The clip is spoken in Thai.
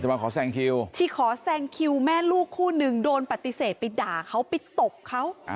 ชีขอแซงคิวแม่ลูกคู่นึงโดนปฏิเสธไปด่าเขาไปตบเขา